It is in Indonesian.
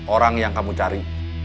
orang yang kamu cari